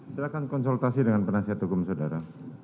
silahkan konsultasi dengan penasihat hukum saudara